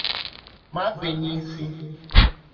ma fee n'isi